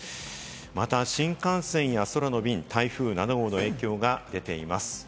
また新幹線や空の便、台風７号の影響が出ています。